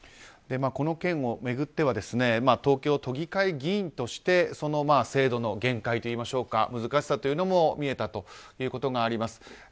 この件を巡っては東京都議会議員として制度の限界といいましょうか難しさというのも見えたということがあります。